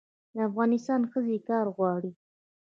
د افغانستان ښځې کار غواړي